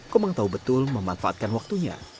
komang tahu betul memanfaatkan waktunya